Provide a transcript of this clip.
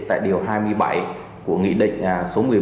tại điều hai mươi bảy của nghị định số một mươi bốn